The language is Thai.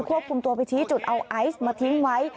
ควบคุมตัวไปชี้จุดเอาไอซ์มาทิ้งไว้